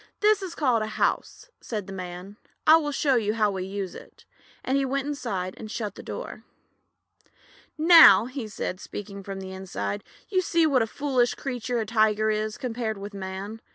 "This is called a house," said the Man. "I will show you how we use it," and he went inside and shut the door. "Now," said he, speaking from inside, "you see what a foolish creature a Tiger is compared with Man.